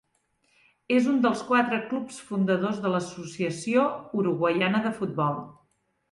És un dels quatre clubs fundadors de l'Associació Uruguaiana de Futbol.